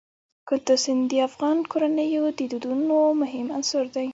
کندز سیند د افغان کورنیو د دودونو مهم عنصر دی.